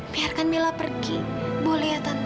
biarkan mila pergi boleh ya tante